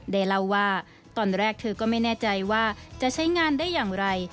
ได้เล่าว่าตอนแรกเธอก็ไม่แน่ใจว่าจะใช้งานได้อย่างไร